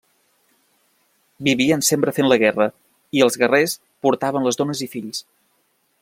Vivien sempre fent la guerra i els guerrers portaven les dones i fills.